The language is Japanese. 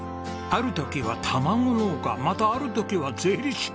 ある時は卵農家またある時は税理士。